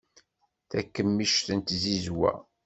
Takemmict n tzizwa.